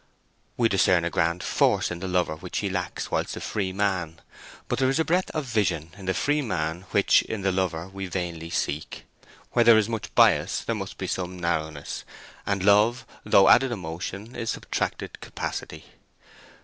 We discern a grand force in the lover which he lacks whilst a free man; but there is a breadth of vision in the free man which in the lover we vainly seek. Where there is much bias there must be some narrowness, and love, though added emotion, is subtracted capacity.